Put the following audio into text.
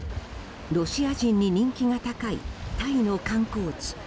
ロシア人に人気が高いタイの観光地